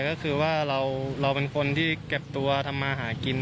ก็คือว่าเราเป็นคนที่เก็บตัวทำมาหากิน